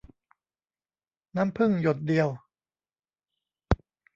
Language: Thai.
น้ำผึ้งหยดเดียว